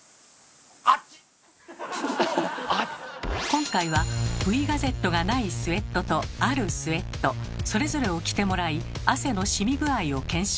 今回はＶガゼットがないスウェットとあるスウェットそれぞれを着てもらい汗の染み具合を検証。